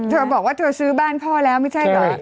เธอบอกว่าเธอซื้อบ้านพ่อแล้วไม่ใช่เหรอ